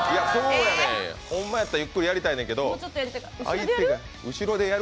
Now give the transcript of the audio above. ホンマやったらゆっくりやりたいんやねんけど後ろでやる？